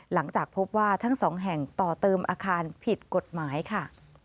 หลังจากพบว่าทั้งสองแห่งต่อเติมอาคารผิดกฎหมายค่ะ